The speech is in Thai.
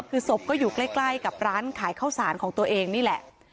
คือศพก็อยู่ใกล้กับร้านขายข้าวสารของตัวเองนี่แหละ